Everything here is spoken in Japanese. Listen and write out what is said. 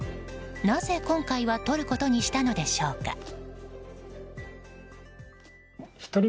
なぜ今回は取ることにしたのでしょうか。